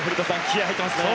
気合が入っていますね。